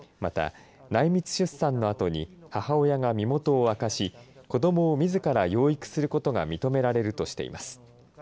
また、内密出産のあとに母親が身元を明かし子どもをみずから養育することが認められるとしています。